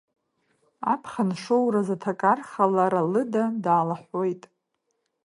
Аԥхын шоураз, аҭакарха, лара лыда даалаҳәуеит.